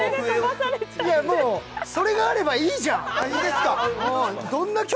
もうそれがあればいいじゃん。